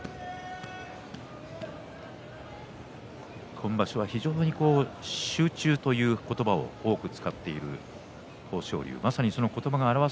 今場所は非常に集中という言葉を多く使っている豊昇龍。